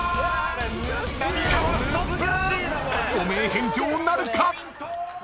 ［汚名返上なるか⁉］